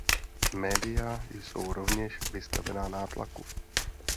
Média jsou rovněž vystavena nátlaku.